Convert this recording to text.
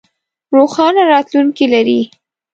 روښانه راتلوونکې لرئ